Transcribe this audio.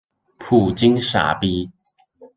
普京傻屄